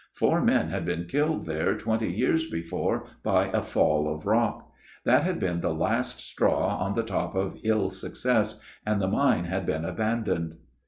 Four men had been killed there twenty years before by a fall of rock. That had been the last straw on the top of ill success ; and the mine had been abandoned.